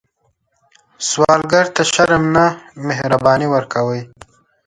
سوالګر ته شرم نه، مهرباني ورکوئ